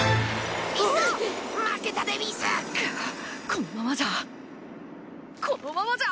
このままじゃこのままじゃ。